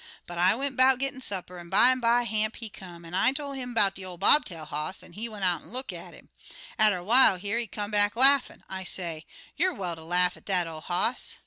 But I went 'bout gittin' supper, an' bimeby, Hamp, he come, an' I told 'im 'bout de ol' bob tail hoss, an' he went out an' look at 'im. Atter while, here he come back laughin', I say, 'You well ter laugh at dat ol' hoss.'